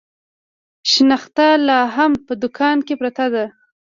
شنخته لا هم په دوکان کې پرته ده.